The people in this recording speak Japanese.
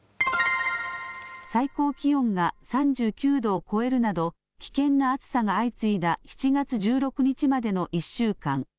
最高気温が３９度を超えるなど、危険な暑さが相次いだ７月１６日までの１週間。